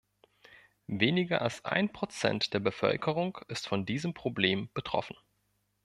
Weniger als ein Prozent der Bevölkerung ist von diesem Problem betroffen.